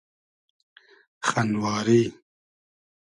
خئنواری